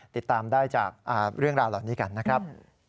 ติดตามได้จากเรื่องราวเหล่านี้กันนะครับ